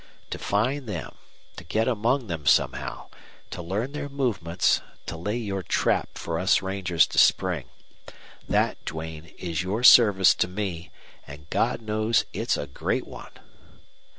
To find them, to get among them somehow, to learn their movements, to lay your trap for us rangers to spring that, Duane, is your service to me, and God knows it's a great one!"